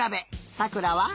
さくらは？